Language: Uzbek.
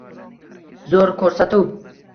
Zo‘r ko‘rsatuv.